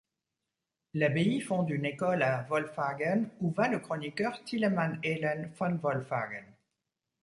L'abbaye fonde une école à Wolfhagen où va le chroniqueur Tilemann Elhen von Wolfhagen.